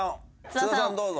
津田さんどうぞ」。